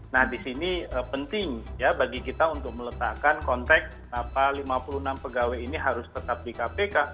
nah di sini penting ya bagi kita untuk meletakkan konteks kenapa lima puluh enam pegawai ini harus tetap di kpk